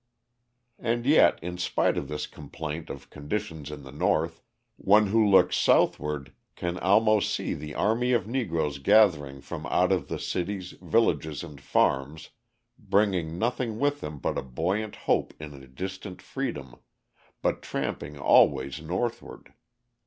And yet, in spite of this complaint of conditions in the North, one who looks Southward can almost see the army of Negroes gathering from out of the cities, villages and farms, bringing nothing with them but a buoyant hope in a distant freedom, but tramping always Northward.